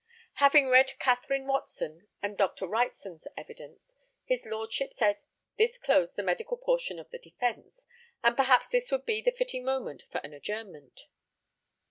Having read Catherine Watson and Dr. Wrightson's evidence, his lordship said this closed the medical portion of the defence, and perhaps this would be the fitting moment for an adjournment.